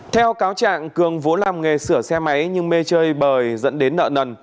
theo cáo trạng cường vú làm nghề sửa xe máy nhưng mê chơi bời dẫn đến nợ nần